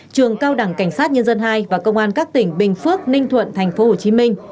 trường cao đẳng cảnh sát nhân dân hai và công an các tỉnh bình phước ninh thuận tp hcm